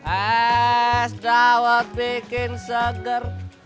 es dawat bikin seger